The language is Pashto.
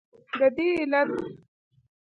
د دې علت باید توضیح شي.